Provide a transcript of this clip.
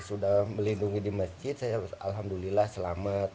sudah melindungi di masjid saya alhamdulillah selamat